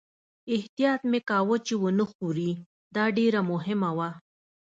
احتیاط مې کاوه چې و نه ښوري، دا ډېره مهمه وه.